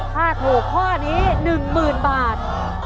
ค่าโถข้อนี้๑๐๐๐๐บาท